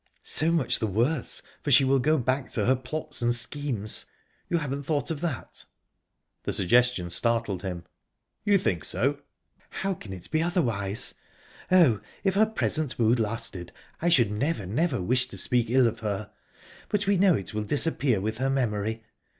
"So much the worse, for she will go back to her plots and schemes. You haven't thought of that?" The suggestion startled him. "You think so?" "How can it be otherwise? Oh, if her present mood lasted, I should never, never wish to speak ill of her. But we know it will disappear with her memory.